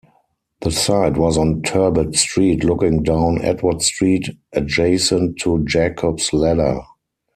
The site was on Turbot Street looking down Edward Street, adjacent to Jacob's Ladder.